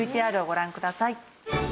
ＶＴＲをご覧ください。